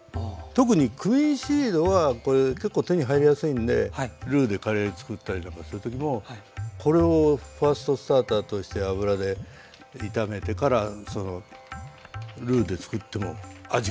特にクミンシードはこれ結構手に入りやすいんでルーでカレーつくったりとかする時もこれをファーストスターターとして油で炒めてからそのルーでつくっても味がまた変わります。